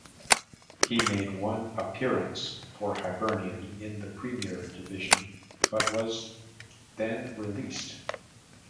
He made one appearance for Hibernian in the Premier Division, but was then released.